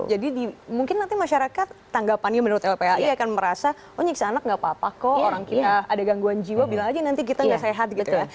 jadi mungkin nanti masyarakat tanggapannya menurut lpii akan merasa oh nyiksa anak nggak apa apa kok orang kita ada gangguan jiwa bilang aja nanti kita nggak sehat gitu ya